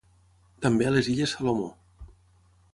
També a les illes Salomó.